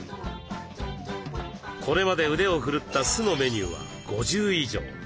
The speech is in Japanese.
これまで腕を振るった酢のメニューは５０以上。